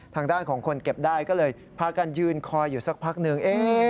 ทางด้านของคนเก็บได้ก็เลยพากันยืนคอยอยู่สักพักหนึ่ง